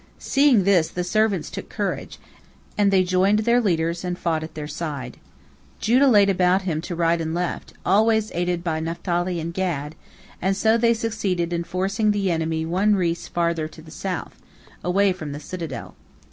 Seeing this, the servants took courage, and they joined their leaders and fought at their side. Judah laid about him to right and to left, always aided by Naphtali and Gad, and so they succeeded in forcing the enemy one ris further to the south, away from the citadel.